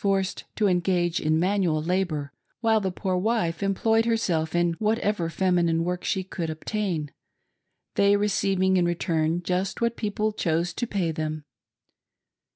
forced to engage in manual labor, while the poor wife employed : herself in whatever feminine work she could obtain ; they re ceiving in return just what people chose to pay them.